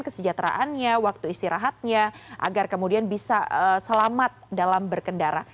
kesejahteraannya waktu istirahatnya agar kemudian bisa selamat dalam berkendara